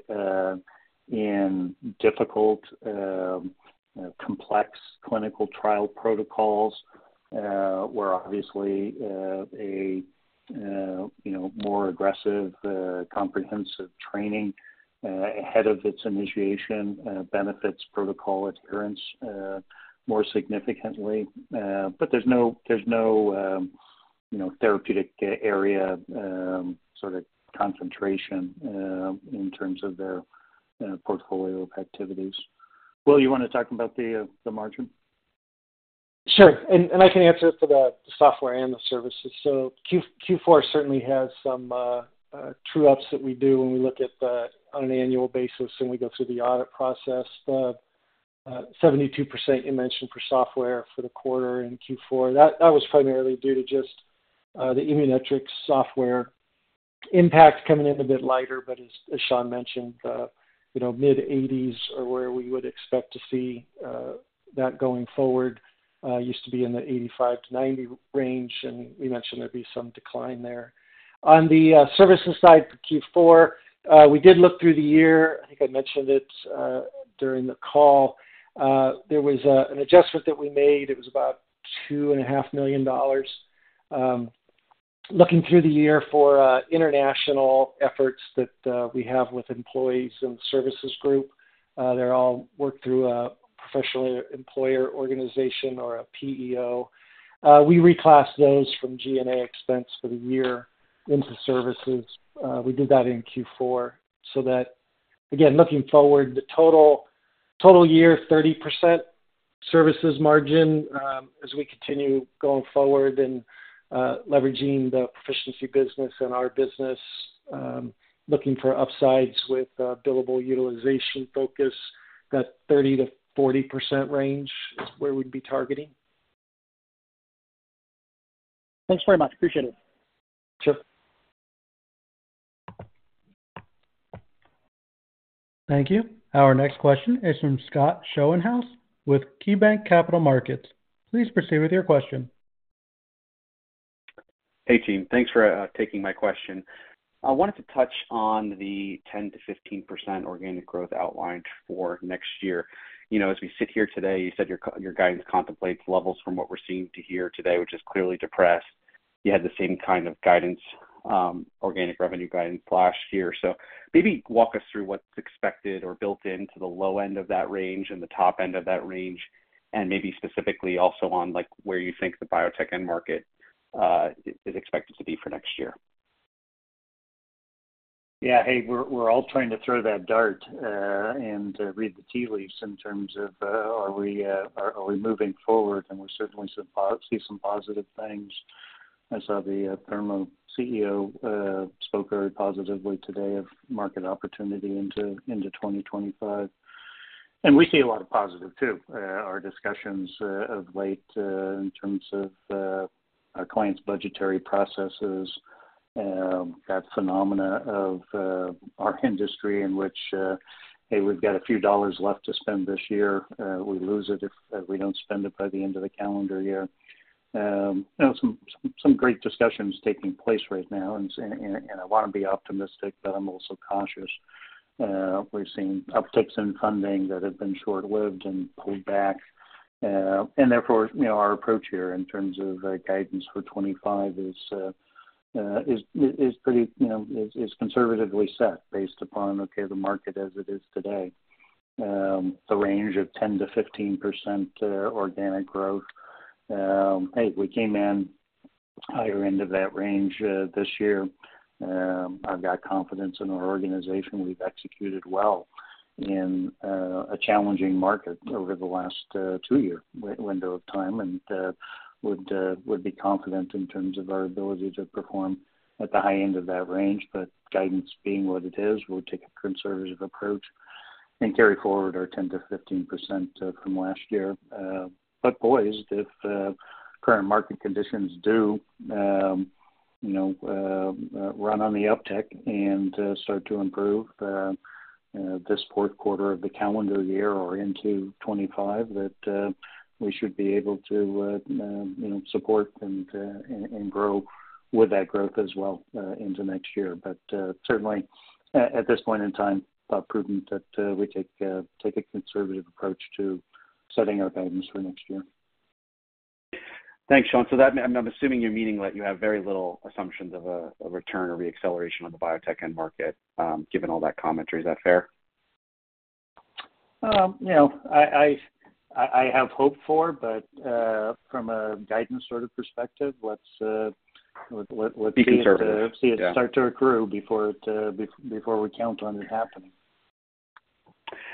in difficult, complex clinical trial protocols, where obviously a more aggressive, comprehensive training ahead of its initiation benefits protocol adherence more significantly. But there's no, you know, therapeutic area, sort of concentration, in terms of their portfolio of activities. Will, you want to talk about the margin? Sure, and I can answer it for the software and the services. So Q4 certainly has some true ups that we do when we look at them on an annual basis, and we go through the audit process. The 72% you mentioned for software for the quarter in Q4, that was primarily due to just the Immunetrics software impact coming in a bit lighter. But as Shawn mentioned, you know, mid-80s% are where we would expect to see that going forward. Used to be in the 85%-90% range, and we mentioned there'd be some decline there. On the services side for Q4, we did look through the year. I think I mentioned it during the call. There was an adjustment that we made. It was about $2.5 million. Looking through the year for international efforts that we have with employees and services group, they're all worked through a professional employer organization or a PEO. We reclassed those from G&A expense for the year into services. We did that in Q4. So that, again, looking forward, the total year, 30% services margin, as we continue going forward and leveraging the Pro-ficiency business and our business, looking for upsides with billable utilization focus, that 30%-40% range is where we'd be targeting. Thanks very much. Appreciate it. Sure. Thank you. Our next question is from Scott Schoenhaus with KeyBanc Capital Markets. Please proceed with your question. Hey, team, thanks for taking my question. I wanted to touch on the 10%-15% organic growth outlined for next year. You know, as we sit here today, you said your guidance contemplates levels from what we're seeing here today, which is clearly depressed. You had the same kind of guidance, organic revenue guidance last year. So maybe walk us through what's expected or built into the low end of that range and the top end of that range, and maybe specifically also on like, where you think the biotech end market is expected to be for next year. Yeah. Hey, we're all trying to throw that dart and read the tea leaves in terms of are we moving forward? And we certainly see some positive things. I saw the Thermo CEO spoke very positively today of market opportunity into 2025, and we see a lot of positive too. Our discussions of late in terms of our clients' budgetary processes that phenomena of our industry in which hey, we've got a few dollars left to spend this year. We lose it if we don't spend it by the end of the calendar year. You know, some great discussions taking place right now, and I want to be optimistic, but I'm also cautious. We've seen upticks in funding that have been short-lived and pulled back. And therefore, you know, our approach here in terms of guidance for 2025 is pretty, you know, conservatively set based upon the market as it is today. The range of 10%-15% organic growth. Hey, we came in higher end of that range this year. I've got confidence in our organization. We've executed well in a challenging market over the last two-year window of time, and would be confident in terms of our ability to perform at the high end of that range. But guidance being what it is, we'll take a conservative approach and carry forward our 10%-15% from last year. But boy, if current market conditions do, you know, run on the uptick and start to improve this fourth quarter of the calendar year or into 2025, that we should be able to, you know, support and grow with that growth as well into next year. But certainly at this point in time, thought prudent that we take a conservative approach to setting our guidance for next year. Thanks, Shawn. So that, I'm assuming you're meaning that you have very little assumptions of a return or re-acceleration on the biotech end market, given all that commentary. Is that fair? You know, I have hoped for, but from a guidance sort of perspective, let's— *crosstalk* —see it start to accrue before it, before we count on it happening.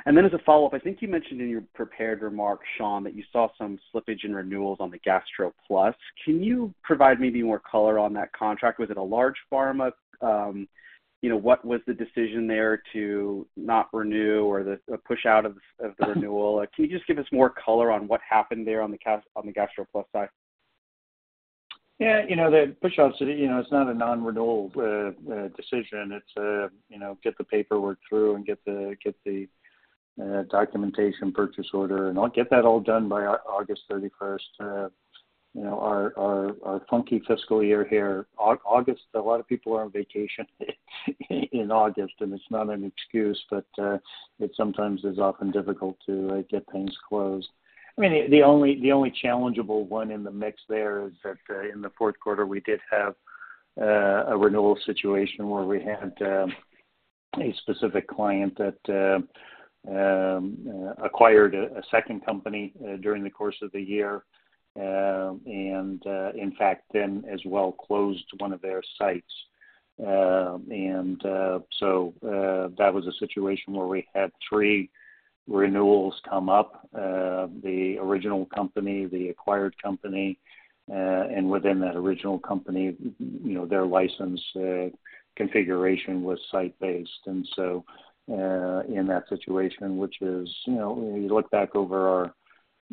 And then as a follow-up, I think you mentioned in your prepared remarks, Shawn, that you saw some slippage in renewals on the GastroPlus. Can you provide maybe more color on that contract? Was it a large pharma? You know, what was the decision there to not renew or the push out of the renewal? Can you just give us more color on what happened there on the GastroPlus side? Yeah, you know, the pushouts, you know, it's not a non-renewal decision. It's a, you know, get the paperwork through and get the documentation purchase order, and I'll get that all done by August 31st. You know, our funky fiscal year here, August, a lot of people are on vacation in August, and it's not an excuse, but it sometimes is often difficult to get things closed. I mean, the only challengeable one in the mix there is that in the fourth quarter, we did have a renewal situation where we had a specific client that acquired a second company during the course of the year. And in fact, then as well closed one of their sites. That was a situation where we had three renewals come up. The original company, the acquired company, and within that original company, you know, their license configuration was site-based. In that situation, which is, you know, you look back over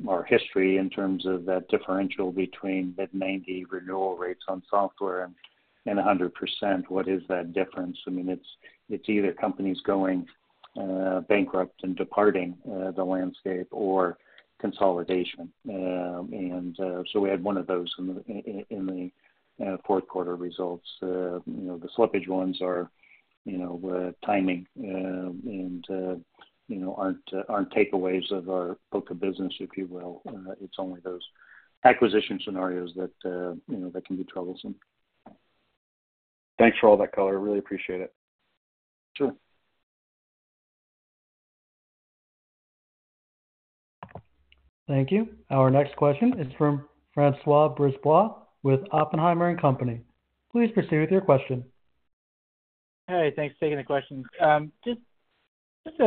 our history in terms of that differential between mid-90% renewal rates on software and 100%, what is that difference? I mean, it's either companies going bankrupt and departing the landscape or consolidation. We had one of those in the fourth quarter results. You know, the slippage ones are, you know, timing, and you know, aren't takeaways of our book of business, if you will. It's only those acquisition scenarios that you know that can be troublesome. Thanks for all that color. I really appreciate it. Sure. Thank you. Our next question is from François Brisebois, with Oppenheimer and Company. Please proceed with your question. Hey, thanks for taking the question. Just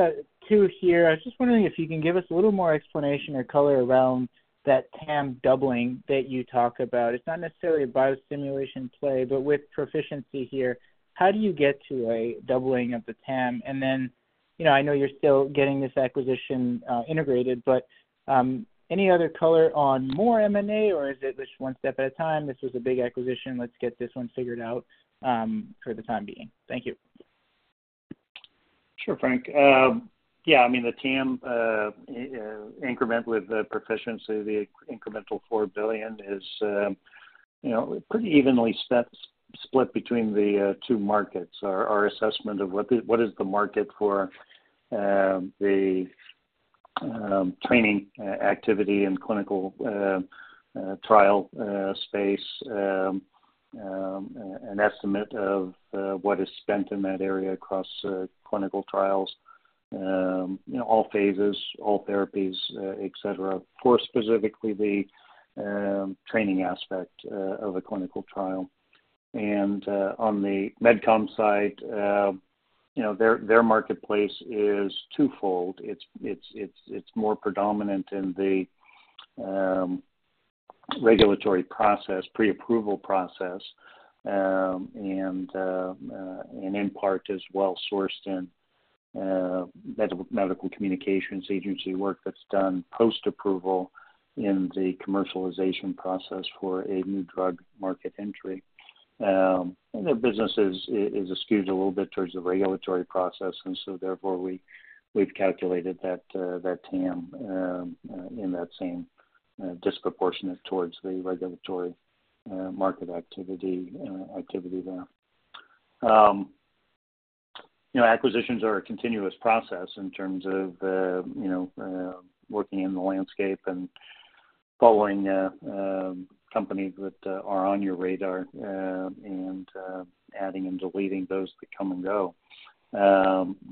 two here. I was just wondering if you can give us a little more explanation or color around that TAM doubling that you talk about. It's not necessarily a biosimulation play, but with Pro-ficiency here, how do you get to a doubling of the TAM? And then, you know, I know you're still getting this acquisition integrated, but any other color on more M&A, or is it just one step at a time? This was a big acquisition. Let's get this one figured out for the time being. Thank you. Sure, Frank. Yeah, I mean, the TAM increment with the Pro-ficiency, the incremental four billion is, you know, pretty evenly split between the two markets. Our assessment of what is the market for the training activity and clinical trial space, an estimate of what is spent in that area across clinical trials, you know, all phases, all therapies, etc. For specifically the training aspect of a clinical trial. And on the Medical Communications side, you know, their marketplace is twofold. It's more predominant in the regulatory process, pre-approval process, and in part as well sourced in Medical Communications agency work that's done post-approval in the commercialization process for a new drug market entry. And the business is skewed a little bit towards the regulatory process, and so therefore, we've calculated that TAM in that same disproportionate towards the regulatory market activity there. You know, acquisitions are a continuous process in terms of you know working in the landscape and following companies that are on your radar and adding and deleting those that come and go.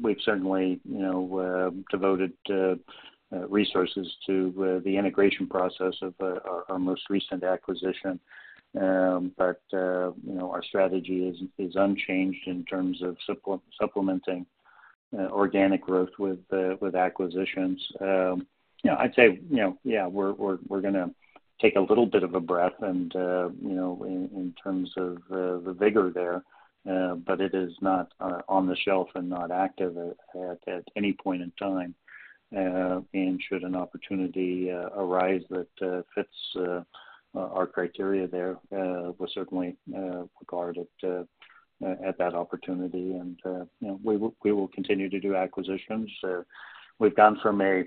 We've certainly you know devoted resources to the integration process of our most recent acquisition. But you know, our strategy is unchanged in terms of supplementing organic growth with acquisitions. You know, I'd say, you know, yeah, we're gonna take a little bit of a breath and, you know, in terms of the vigor there, but it is not on the shelf and not active at any point in time. And should an opportunity arise that fits our criteria there, we'll certainly regard it at that opportunity. And, you know, we will continue to do acquisitions. We've gone from a,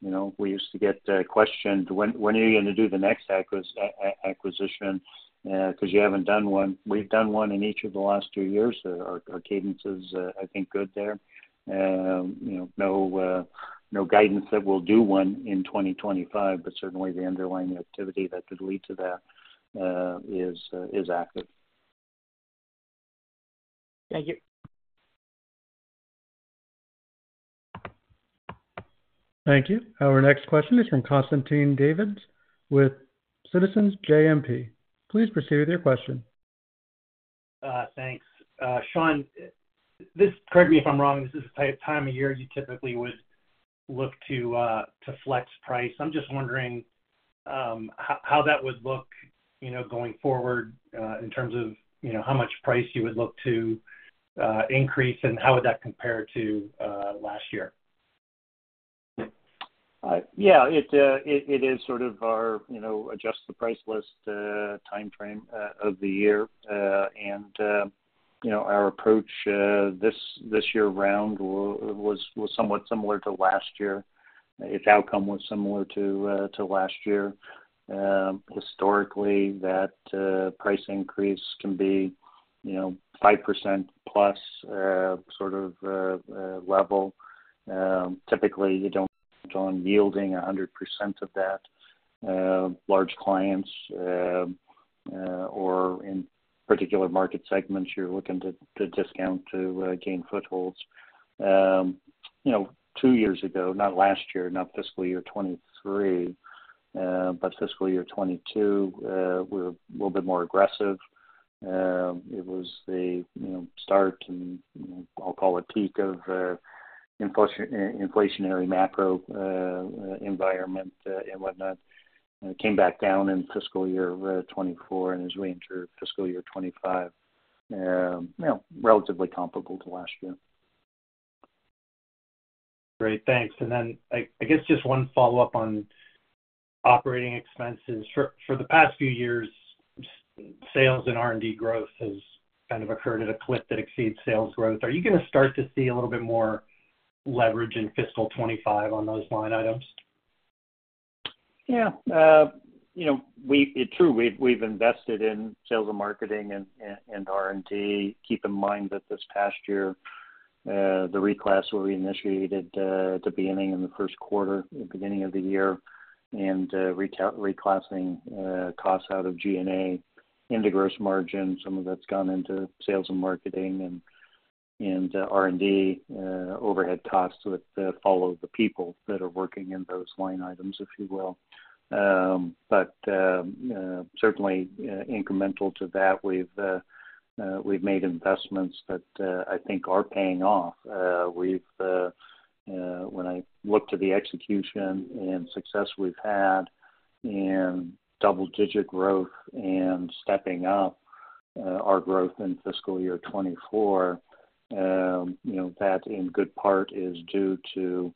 you know, we used to get questioned, "When are you gonna do the next acquisition because you haven't done one?" We've done one in each of the last two years. Our cadence is, I think, good there. You know, no guidance that we'll do one in 2025, but certainly the underlying activity that could lead to that is active. Thank you. Thank you. Our next question is from Constantine Davides with Citizens JMP. Please proceed with your question. Thanks. Shawn, correct me if I'm wrong, this is the time of year you typically would look to flex price. I'm just wondering how that would look, you know, going forward, in terms of, you know, how much price you would look to increase, and how would that compare to last year? Yeah, it is sort of our, you know, adjust the price list timeframe of the year. And you know, our approach this year round was somewhat similar to last year. Its outcome was similar to last year. Historically, that price increase can be, you know, 5%+ sort of level. Typically, you don't end on yielding 100% of that. Large clients or in particular market segments, you're looking to discount to gain footholds. You know, two years ago, not last year, not fiscal year 2023, but fiscal year 2022, we were a little bit more aggressive. It was the, you know, start and, you know, I'll call it peak of inflationary macro environment, and whatnot. It came back down in fiscal year 2024 and as we enter fiscal year 2025, you know, relatively comparable to last year. Great. Thanks. And then I guess just one follow-up on operating expenses. For the past few years, sales and R&D growth has kind of occurred at a clip that exceeds sales growth. Are you gonna start to see a little bit more leverage in fiscal 2025 on those line items? Yeah, you know, it's true. We've invested in sales and marketing and R&D. Keep in mind that this past year, the reclass were reinitiated at the beginning, in the first quarter, the beginning of the year, and reclassing costs out of G&A into gross margin. Some of that's gone into sales and marketing and R&D overhead costs with all of the people that are working in those line items, if you will, but certainly, incremental to that, we've made investments that I think are paying off. We've, when I look to the execution and success we've had in double-digit growth and stepping up our growth in fiscal year 2024, you know, that in good part is due to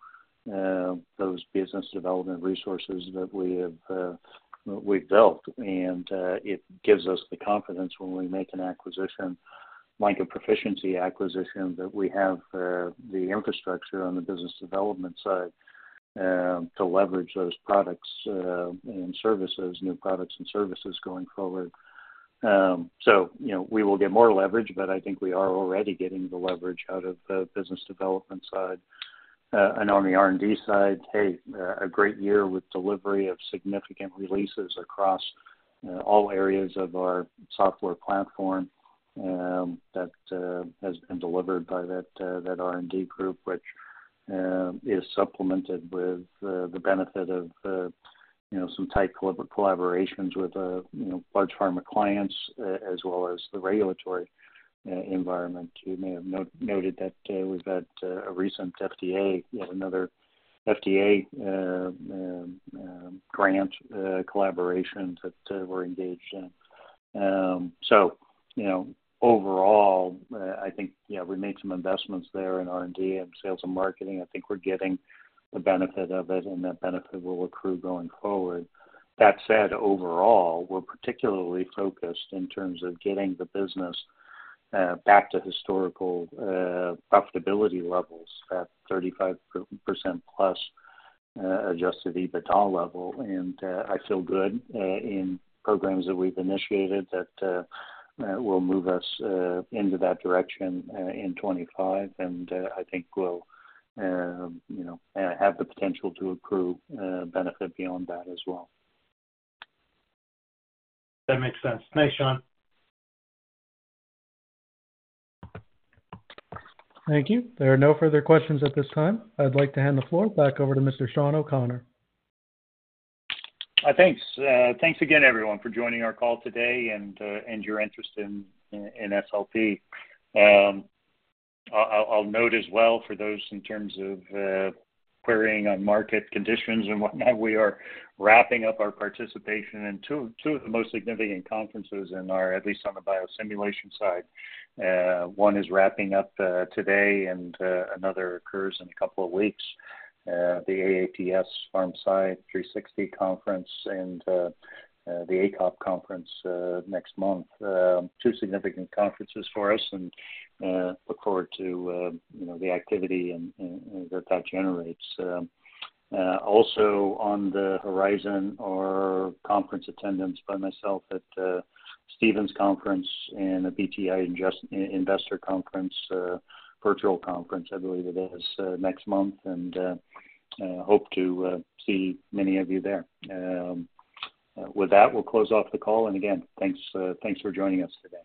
those business development resources that we have, we've built. And it gives us the confidence when we make an acquisition, like a Pro-ficiency acquisition, that we have the infrastructure on the business development side to leverage those products and services, new products and services going forward. So, you know, we will get more leverage, but I think we are already getting the leverage out of the business development side. And on the R&D side, hey, a great year with delivery of significant releases across all areas of our software platform, that has been delivered by that R&D group, which is supplemented with the benefit of, you know, some tight collaborations with, you know, large pharma clients, as well as the regulatory environment. You may have noted that we've had a recent FDA, another FDA, grant, collaborations that we're engaged in. So, you know, overall, I think, yeah, we made some investments there in R&D and sales and marketing. I think we're getting the benefit of it, and that benefit will accrue going forward. That said, overall, we're particularly focused in terms of getting the business back to historical profitability levels, that 35%+ adjusted EBITDA level. And I feel good in programs that we've initiated that will move us into that direction in 2025. And I think we'll, you know, have the potential to accrue benefit beyond that as well. That makes sense. Thanks, Shawn. Thank you. There are no further questions at this time. I'd like to hand the floor back over to Mr. Shawn O'Connor. Thanks. Thanks again, everyone, for joining our call today and your interest in SLP. I'll note as well, for those in terms of querying on market conditions and whatnot, we are wrapping up our participation in two of the most significant conferences in our, at least on the biosimulation side. One is wrapping up today, and another occurs in a couple of weeks. The AAPS PharmSci 360 conference and the ACoP conference next month. Two significant conferences for us, and look forward to you know, the activity and that generates. Also on the horizon are conference attendance by myself at Stephens Conference and a BTIG Investor Conference, virtual conference, I believe it is, next month, and hope to see many of you there. With that, we'll close off the call, and again, thanks for joining us today.